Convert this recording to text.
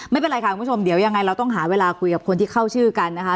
ไม่เป็นไรค่ะคุณผู้ชมเดี๋ยวยังไงเราต้องหาเวลาคุยกับคนที่เข้าชื่อกันนะคะ